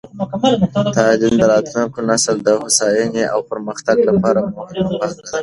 تعلیم د راتلونکې نسل د هوساینې او پرمختګ لپاره مهمه پانګه ده.